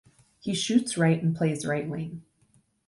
He shoots right and plays right wing.